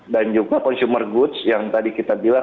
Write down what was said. dan juga consumer goods yang tadi kita jelaskan